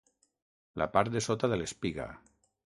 La part de sota de l'espiga.